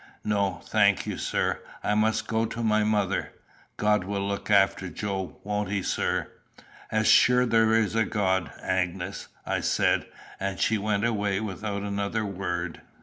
"No, thank you, sir. I must go to my mother. God will look after Joe, won't he, sir?" "As sure as there is a God, Agnes," I said; and she went away without another word.